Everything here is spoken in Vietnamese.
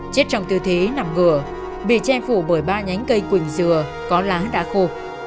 chết trong tử thi nằm ngựa bị che phủ bởi ba nhánh cây quỳnh dừa có lá đã khô